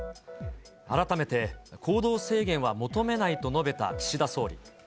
改めて行動制限は求めないと述べた岸田総理。